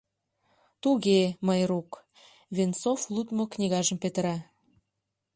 — Туге, Майрук, — Венцов лудмо книгажым петыра.